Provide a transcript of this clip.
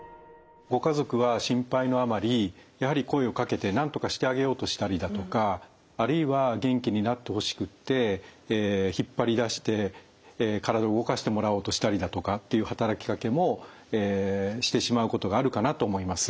ご家族は心配のあまりやはり声をかけてなんとかしてあげようとしたりだとかあるいは元気になってほしくって引っ張り出して体動かしてもらおうとしたりだとかっていう働きかけもしてしまうことがあるかなと思います。